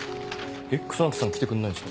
えっ楠木さん来てくんないんですか？